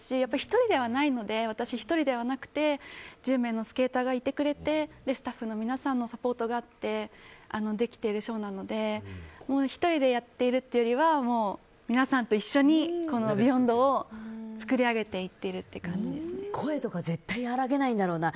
１人ではないので私１人ではなくて１０名のスケーターがいてくれてスタッフの皆さんのサポートがあってできているショーなので１人でやっているというよりは皆さんと一緒にこの「ＢＥＹＯＮＤ」を作り上げていっているという声とか絶対荒げないんだろうな。